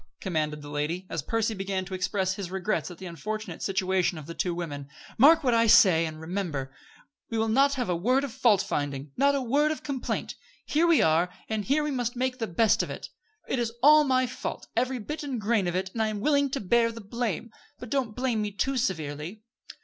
commanded the lady, as Percy began to express his regrets at the unfortunate situation of the two women, "Mark what I say, and remember, we will have not a word of fault finding, not a word of complaint. Here we are, and here we must make the best of it. It is all my fault, every bit and grain of it, and I am willing to bear the blame; but don't blame me too severely."